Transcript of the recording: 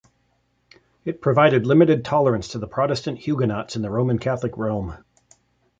It provided limited tolerance to the Protestant Huguenots in the Roman Catholic realm.